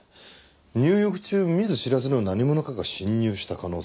入浴中見ず知らずの何者かが侵入した可能性も。